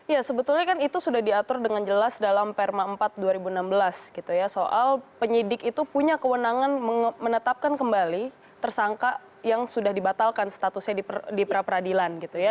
ya sebetulnya kan itu sudah diatur dengan jelas dalam perma empat dua ribu enam belas gitu ya soal penyidik itu punya kewenangan menetapkan kembali tersangka yang sudah dibatalkan statusnya di pra peradilan gitu ya